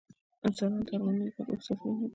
انسانان د ارمانونو لپاره اوږده سفرونه کوي.